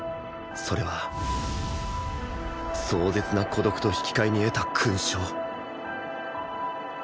それは壮絶な孤独と引き換えに得た勲章